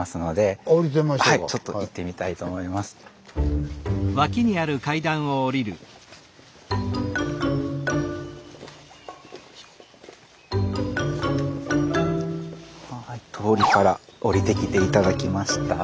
あっ⁉通りから下りて頂きました。